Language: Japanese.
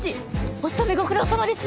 お勤めご苦労さまです！